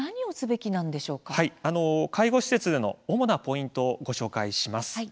介護施設での主なポイントを紹介します。